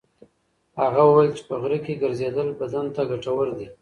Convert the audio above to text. هغه وویل چې په غره کې ګرځېدل بدن ته ګټور دي.